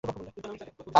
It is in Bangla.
কাজ করেছে এটা।